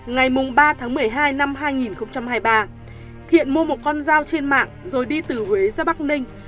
ngày ba tháng một mươi hai năm hai nghìn hai mươi ba thiện mua một con dao trên mạng rồi đi từ huế ra bắc ninh